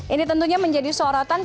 ini tentunya menjadi sorotan